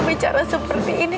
bicara seperti ini